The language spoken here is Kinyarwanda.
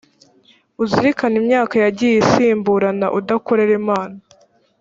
uzirikane imyaka yagiye isimburana udakorera imana,